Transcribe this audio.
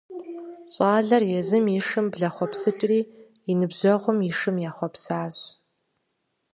Щӏалэр езым и шым блэхъуэпсыкӏри и ныбжьэгъум и шым ехъуэпсащ.